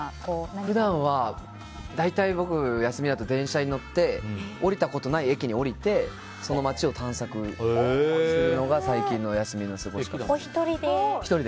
普段は大体、僕は休みだと電車に乗って降りたことがない駅に降りてその街を探索するのがおひとりで？